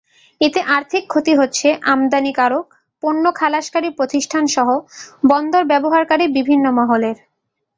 এতে আর্থিক ক্ষতি হচ্ছে আমদানিকারক, পণ্য খালাসকারী প্রতিষ্ঠানসহ বন্দর ব্যবহারকারী বিভিন্ন মহলের।